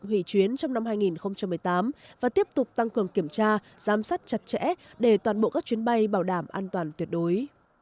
hủy chuyến trong năm hai nghìn một mươi tám và tiếp tục tăng cường kiểm tra giám sát chặt chẽ để toàn bộ các chuyến bay bảo đảm an toàn tuyệt đối